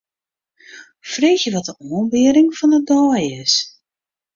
Freegje wat de oanbieding fan 'e dei is.